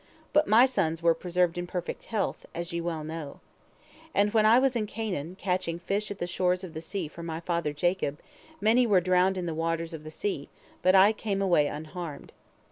But my sons were preserved in perfect health, as ye well know. And when I was in Canaan, catching fish at the shores of the sea for my father Jacob, many were drowned in the waters of the sea, but I came away unharmed.